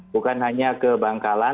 bukan hanya ke bangkalan